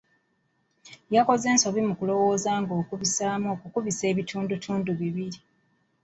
Yakoze ensobi mu kulowooza nga okukubisamu okukubisa ebitundutundu ebibiri.